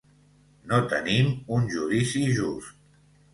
No tenim un judici just